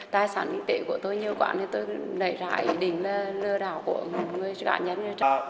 tài sản kinh tế của tôi nhiều quản nên tôi đẩy ra ý định là lừa đảo của người đoạn nhân